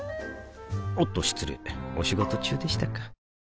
おっと失礼お仕事中でしたか